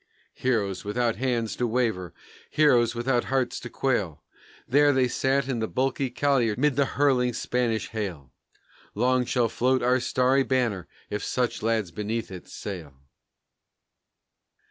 Heroes without hands to waver, heroes without hearts to quail, There they sank the bulky collier 'mid the hurtling Spanish hail; Long shall float our starry banner if such lads beneath it sail!